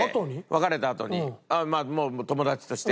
別れたあとにもう友達として。